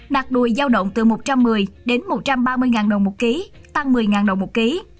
nạc đùi giao động từ một trăm một mươi một trăm ba mươi đồng một kg tăng một mươi đồng một kg